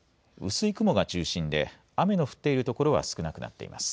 薄い雲が中心で雨の降っている所は少なくなっています。